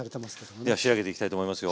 では仕上げていきたいと思いますよ。